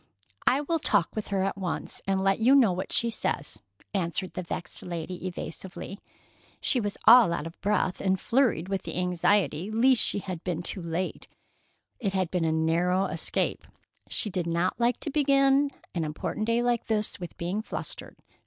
"I will talk with her at once, and let you know what she says," answered the vexed lady evasively. She was all out of breath and flurried with the anxiety lest she had been too late. It had been a narrow escape. She did not like to begin an important day like this with being flustered.